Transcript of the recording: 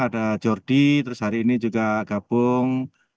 ada jordi terus hari ini juga gabung